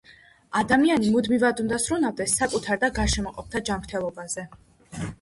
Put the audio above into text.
ადამიანი მუდმივად უნდა ზრუნავდეს საკუთარ და გარშემოყოფთა ჯამრთელობაზე